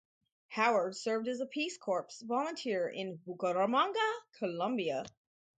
Howard served as a Peace Corps volunteer in Bucaramanga, Colombia.